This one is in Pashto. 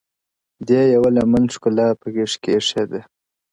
دې يوه لمن ښكلا په غېږ كي ايښې ده